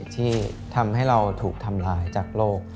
ที่ทำให้เราถูกทำลายจากโรค